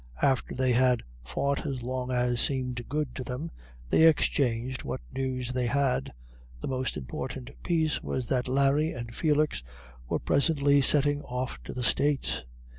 After they had fought as long as seemed good to them, they exchanged what news they had. The most important piece was that Larry and Felix were presently setting off to the States.